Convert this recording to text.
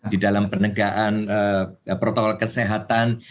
di dalam penegaan protokol kesehatan